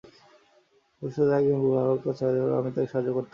ভবিষ্যতে একজন খুব ভালো কোচ হওয়ার ব্যাপারে আমি ওকে সাহায্য করতে পারি।